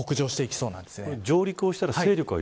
そうですね。